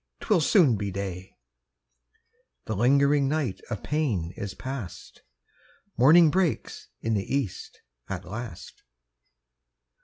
'twill soon be day;" The lingering night of pain is past, Morning breaks in the east at last.